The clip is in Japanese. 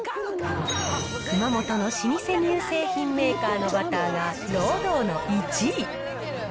熊本の老舗乳製品メーカーのバターが堂々の１位。